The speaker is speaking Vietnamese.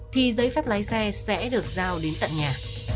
thì giấy phép lái xe sẽ được giao đến tận nhà